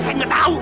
saya gak tau